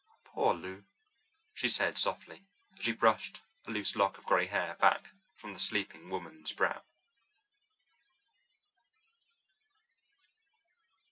"Poor Lou," she said softly, as she brushed a loose lock of grey hair back from the sleeping woman's brow.